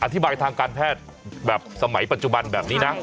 ทางการแพทย์แบบสมัยปัจจุบันแบบนี้นะ